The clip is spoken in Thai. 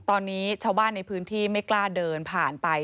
ตอนนี้ชาวบ้านในพื้นที่ไม่กล้าเดินผ่านไป